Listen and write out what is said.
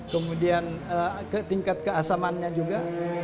kemudian tingkat keasamannya juga